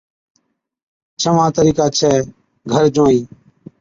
ڇھوان طريقا ڇَي گھر جُوائِين